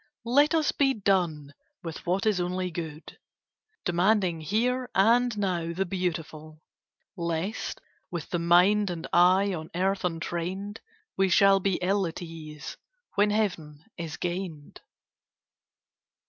Let us be done with what is only good, Demanding here and now the beautiful; Lest, with the mind and eye on earth untrained, We shall be ill at ease when heaven is gained.